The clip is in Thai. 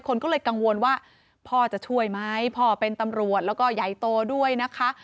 คนก็เลยกังวลว่าพ่อจะช่วยไหมพ่อเป็นตำรวจแล้วก็ใหญ่โตด้วยนะคะ